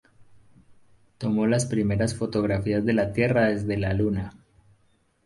Tomó las primeras fotografías de la Tierra desde la Luna.